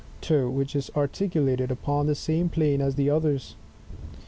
toe which is articulated upon the same plane as the others.